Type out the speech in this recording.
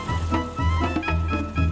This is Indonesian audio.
masih muat sini